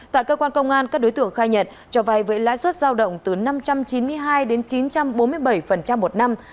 tại cơ quan công an các đối tượng khai nhật cho vay với lãi suất giao động từ năm trăm chín mươi hai đến chín trăm bốn mươi bảy một năm